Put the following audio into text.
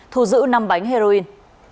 thu giữ năm bánh heroin